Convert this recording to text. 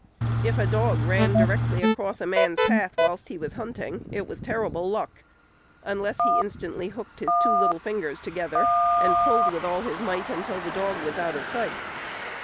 If a dog ran directly across a man's path whilst he was hunting, it was terrible "luck," unless he instantly hooked his two little fingers together, and pulled with all his might, until the dog was out of sight.